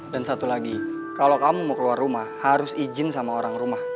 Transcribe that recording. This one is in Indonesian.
dan satu lagi kalau kamu mau keluar rumah harus izin sama orang rumah